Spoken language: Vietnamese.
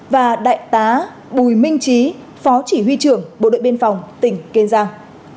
và đại tá bùi minh trí phó chỉ huy trưởng bộ đội biên phòng tỉnh kiên giang